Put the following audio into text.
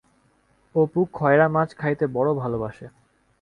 অপু খয়রা মাছ খাইতে বড় ভালোবাসে।